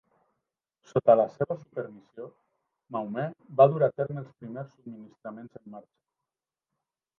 Sota la seva supervisió, "Maumee" va dur a terme els primers subministraments en marxa.